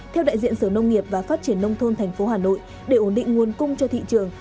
theo đại diện sở nông nghiệp và phát triển nông thôn tp hà nội để ổn định nguồn cung cho thị trường